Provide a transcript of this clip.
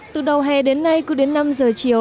từ đầu hè đến nay cứ đến năm giờ chiều